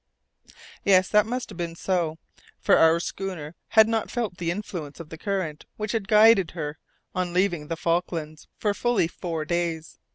Yes, that must have been so, for our schooner had not felt the influence of the current which had guided her on leaving the Falklands, for fully four days.